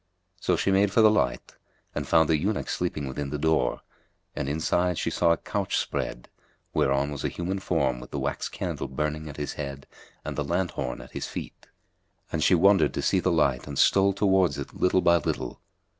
So she made for the light and found the eunuch sleeping within the door; and inside she saw a couch spread, whereon was a human form with the wax candle burning at his head and the lanthorn at his feet, and she wondered to see the light and stole towards it little by little.